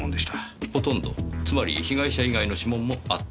つまり被害者以外の指紋もあった。